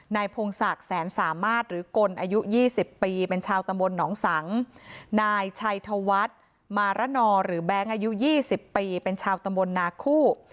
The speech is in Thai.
พงศักดิ์แสนสามารถหรือกลอายุ๒๐ปีเป็นชาวตำบลหนองสังนายชัยธวัฒน์มาระนอหรือแบงค์อายุ๒๐ปีเป็นชาวตำบลนาคู่